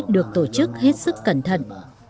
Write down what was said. được tổ chức hết sức cẩn thận